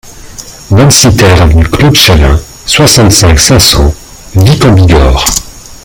vingt-six TER avenue Claude Chalin, soixante-cinq, cinq cents, Vic-en-Bigorre